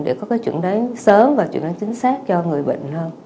để có cái chứng đoán sớm và chứng đoán chính xác cho người bệnh hơn